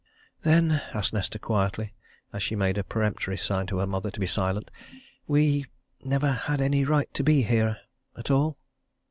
"Then," asked Nesta quietly, as she made a peremptory sign to her mother to be silent, "we never had any right to be here at all?"